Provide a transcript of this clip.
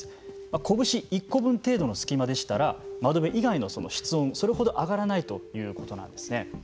拳１個分程度の隙間でしたら窓辺以外の室温それほど上がらないということなんですね。